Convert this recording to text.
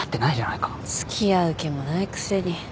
付き合う気もないくせに。